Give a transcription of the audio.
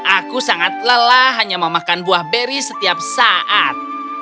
aku sangat lelah hanya memakan buah beri setiap saat